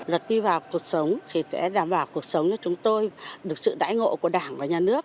luật đi vào cuộc sống thì sẽ đảm bảo cuộc sống cho chúng tôi được sự đải ngộ của đảng và nhà nước